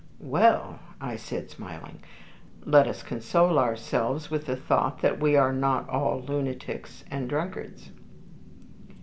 "Well," I said, smiling, "let us console ourselves with the thought that we are not all lunatics and drunkards."